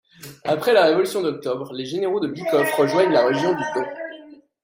Après la révolution d’octobre les généraux de Bykhov rejoignent la région du Don.